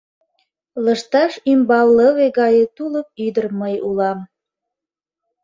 Лышташ ӱмбал лыве гае тулык ӱдыр мый улам.